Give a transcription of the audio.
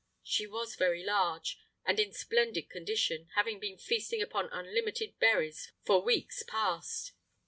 She was very large, and in splendid condition, having been feasting upon unlimited berries for weeks past.